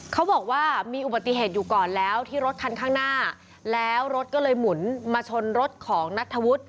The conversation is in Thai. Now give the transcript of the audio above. เขาบอกว่ามีอุบัติเหตุอยู่ก่อนแล้วที่รถคันข้างหน้าแล้วรถก็เลยหมุนมาชนรถของนัทธวุฒิ